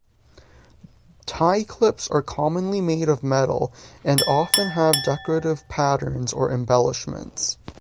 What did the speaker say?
Tie clips are commonly made of metal and often have decorative patterns or embellishments.